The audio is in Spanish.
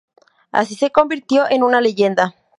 Así se convirtió en una leyenda.